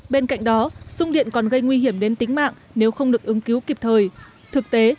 bên cạnh đó sung điện còn gây nguy hiểm đến tính mạng nếu không được ứng cứu kịp thời thực tế